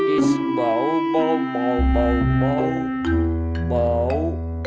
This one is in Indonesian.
is bau bau bau bau bau bau